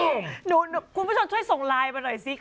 คุณผู้ชมช่วยส่งไลน์มาหน่อยสิ